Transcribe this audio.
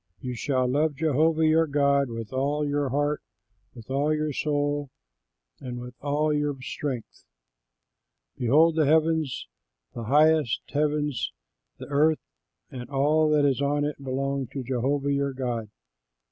You shall love Jehovah your God with all your heart, with all your soul, and with all your strength. Behold, the heavens, the highest heavens, the earth and all that is on it belong to Jehovah your God.